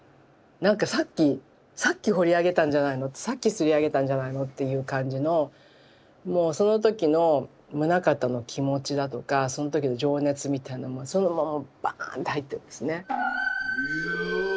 なんかさっきさっき彫り上げたんじゃないのってさっきすりあげたんじゃないのっていう感じのもうその時の棟方の気持ちだとかその時の情熱みたいなものそのままバーンって入ってるんですね。